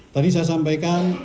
tadi saya sampaikan